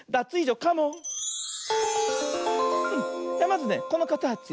まずねこのかたち